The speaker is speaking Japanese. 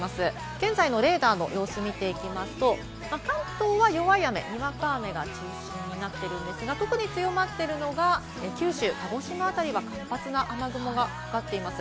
現在のレーダーの様子を見ていきますと、関東は弱い雨、にわか雨が中心ですが、特に強まっているのが九州、鹿児島あたりは活発な雨雲がかかっています。